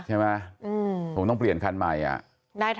ใช่ไหมคงต้องเปลี่ยนคันใหม่อ่ะ